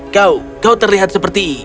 kau kau terlihat seperti